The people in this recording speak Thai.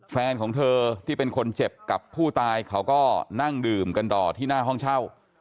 แฟนของเธอที่เป็นคนเจ็บกับผู้ตายเขาก็นั่งดื่มกันต่อที่หน้าห้องเช่า